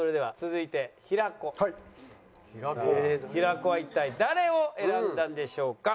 平子は一体誰を選んだんでしょうか？